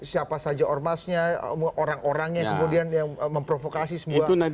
siapa saja ormasnya orang orangnya kemudian yang memprovokasi semua sampai seperti ini